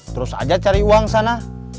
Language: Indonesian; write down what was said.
terus aja cari uang sana